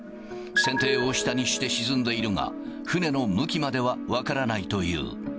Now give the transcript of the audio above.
船底を下にして沈んでいるが、船の向きまでは分からないという。